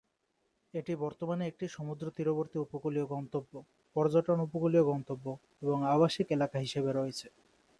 এটি বর্তমানে একটি সমুদ্রতীরবর্তী উপকূলীয় গন্তব্য, পর্যটন উপকূলীয় গন্তব্য, এবং আবাসিক এলাকা হিসেবে রয়েছে।